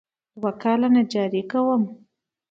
دوه کاله نجاري کوم.